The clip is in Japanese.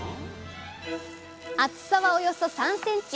厚さはおよそ３センチ！